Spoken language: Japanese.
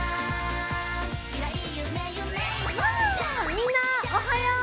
みんなおはよう！